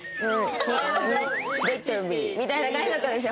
みたいな感じだったんですよ